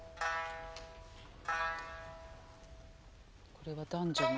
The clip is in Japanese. これは男女の。